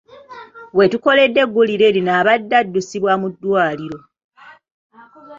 We tukoledde eggulire lino abadde addusiddwa mu ddwaliro .